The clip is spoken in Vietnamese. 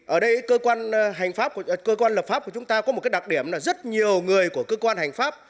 ở đây cơ quan lập pháp của chúng ta có một đặc điểm là rất nhiều người của cơ quan hành pháp